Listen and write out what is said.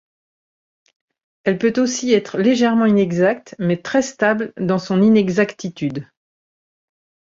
Elle peut aussi être légèrement inexacte, mais très stable dans son inexactitude.